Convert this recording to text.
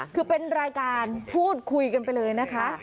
คือเป็นรายการพูดคุยกันไปเลยนะคะ